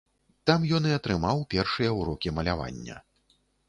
Там ён і атрымаў першыя ўрокі малявання.